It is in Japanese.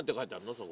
そこ。